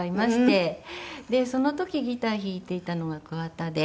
でその時ギター弾いていたのが桑田で。